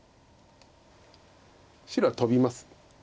白はトビます。